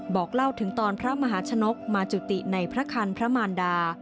บอกเล่าถึงตอนพระมหาชนกมาจุติในพระคันพระมารดา